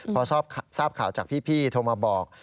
พอทราบข่าวจากพี่โทรมาบอก